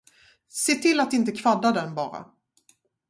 Se till att inte kvadda den, bara.